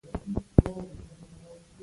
ولاړو کسانو په حيرانۍ ورته وکتل.